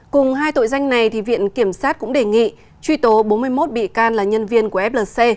cùng hai tội danh này viện kiểm sát cũng đề nghị truy tố bốn mươi một bị can là nhân viên của flc